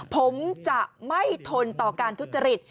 ผมจะไม่ทนต่อการทุจริต